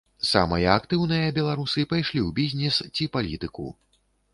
Самыя актыўныя беларусы пайшлі ў бізнес ці палітыку.